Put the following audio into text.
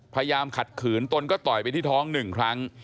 พยายามขัดขืนตนก็ต่อยไปที่ท้องหนึ่งครั้ง